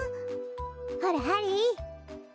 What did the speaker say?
ほらハリー。